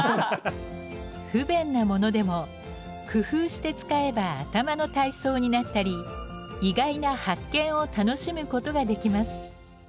不便なものでも工夫して使えば頭の体操になったり意外な発見を楽しむことができます。